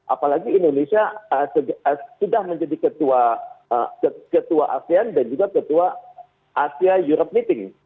apalagi indonesia sudah menjadi ketua asean dan juga ketua asia europe meeting